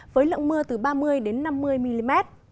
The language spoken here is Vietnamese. với lượng mưa từ ba mươi năm mươi mm